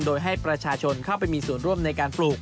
โดยให้ประชาชนเข้าไปมีส่วนร่วมในการปลูก